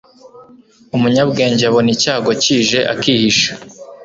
Umunyabwenge abona icyago kije akihisha